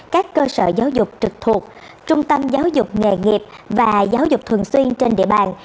các cơ sở giáo dục trực thuộc trung tâm giáo dục nghề nghiệp và giáo dục thường xuyên trên địa bàn